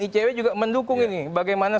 icw juga mendukung ini bagaimana